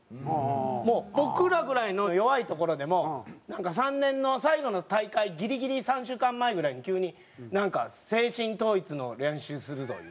もう僕らぐらいの弱いところでもなんか３年の最後の大会ギリギリ３週間前ぐらいに急になんか「精神統一の練習するぞ」言うて。